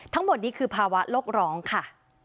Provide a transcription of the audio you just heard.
ทั้งหมดนี้คือภาวะโลกร้องค่ะ